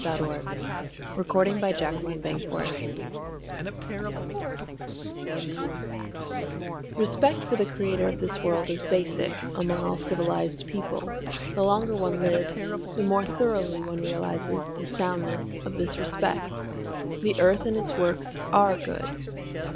CHAPTER III THE BUSINESS OF BEING A WOMAN Respect for the Creator of this world is basic among all civilized people. The longer one lives, the more thoroughly one realizes the soundness of this respect. The earth and its works are good.